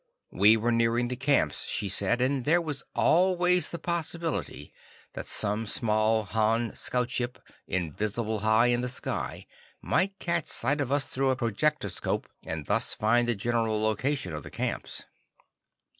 We were nearing the camps, she said, and there was always the possibility that some small Han scoutship, invisible high in the sky, might catch sight of us through a projectoscope and thus find the general location of the camps.